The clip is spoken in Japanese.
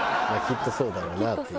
きっとそうだろうと。